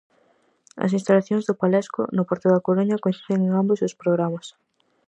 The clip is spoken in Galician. As instalacións do Palexco, no porto da Coruña coinciden en ambos os programas.